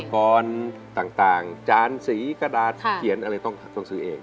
กรต่างจานสีกระดาษเขียนอะไรต้องซื้อเอง